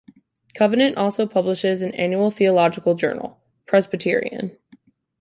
Covenant also publishes an annual theological journal, "Presbyterion".